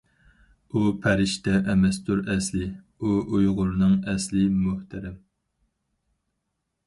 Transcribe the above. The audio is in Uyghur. ئۇ پەرىشتە ئەمەستۇر ئەسلىي، ئۇ ئۇيغۇرنىڭ ئەسلىي مۆھتەرەم.